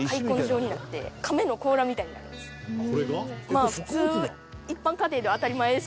まあ普通。